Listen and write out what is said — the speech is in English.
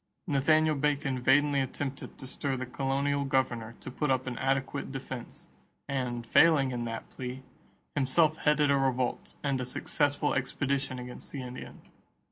Nathaniel Bacon vainly attempted to stir the colonial governor to put up an adequate defense and, failing in that plea, himself headed a revolt and a successful expedition against the Indians.